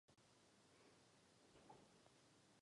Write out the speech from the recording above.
Proto jsem se rozhodl hlasovat pro zprávu.